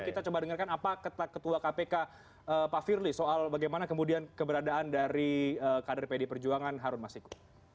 kita coba dengarkan apa ketua kpk pak firly soal bagaimana kemudian keberadaan dari kader pdi perjuangan harun masiku